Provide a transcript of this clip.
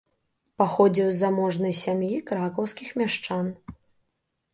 Паходзіў з заможнай сям'і кракаўскіх мяшчан.